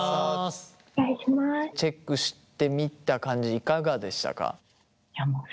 チェックしてみた感じいかがでしたか？